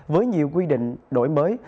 với nhiều quy định đổi mới